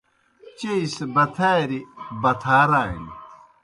چیئی سہ بتھاریْ بتھارانیْ۔